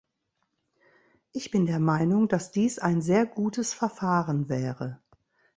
Ich bin der Meinung, dass dies ein sehr gutes Verfahren wäre.